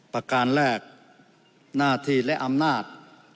ประการแรกหน้าที่และอำนาจ